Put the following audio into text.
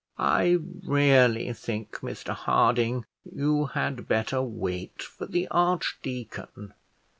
"I really think, Mr Harding, you had better wait for the archdeacon.